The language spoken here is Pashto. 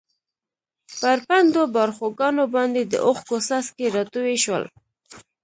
پر پڼډو باړخوګانو باندې د اوښکو څاڅکي راتوی شول.